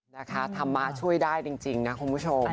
นะคะธรรมะช่วยได้จริงนะคุณผู้ชม